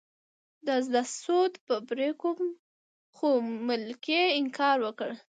د زده سود به پرې کوم خو ملکې انکار وکړ.